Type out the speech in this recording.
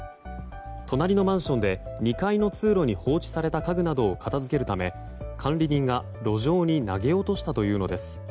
隣のマンションで２階の通路に放置された家具などを片付けるため、管理人が路上に投げ落としたというのです。